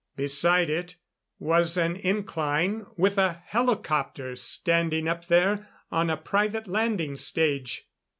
Beside it was an incline with a helicopter standing up there on a private landing stage....